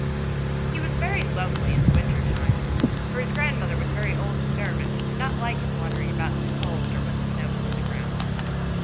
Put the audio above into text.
He was very lonely in the winter time, for his grandmother was very old and nervous, and did not like his wandering about in the cold or when the snow was on the ground.